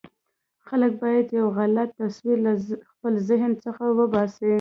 خلک باید یو غلط تصور له خپل ذهن څخه وباسي.